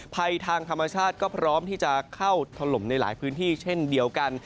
ภัยทางธรรมชาติก็พร้อมที่จะเข้าถล่มในหลายพื้นที่เช่นเดียวกัน